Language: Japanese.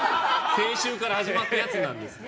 先週から始まったやつなんですから。